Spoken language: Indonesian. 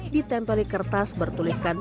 ditempeli kertas bertuliskan